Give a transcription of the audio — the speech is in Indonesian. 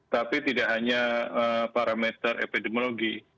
tapi tidak hanya parameter epidemiologi